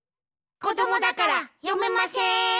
こどもだからよめません。